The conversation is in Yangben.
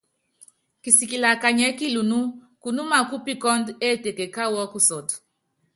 Kisikili á kanyiɛ́ kilunú, kunúmá kúpikɔ́ndɔ éteke káwu ɔ́kusɔ́tɔ.